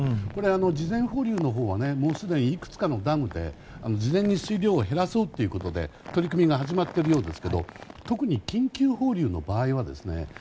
事前放流のほうはいくつかのダムで事前に水量を減らそうということで取り組みが始まっているようですが特に、緊急放流の場合はですね